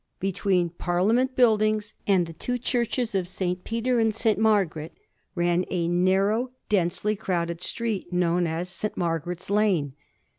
Between Parliament Buildings and the two churches of St. Peter and St. Margaret ran a narrow, densely crowded street, known as St. Margaret's Lane.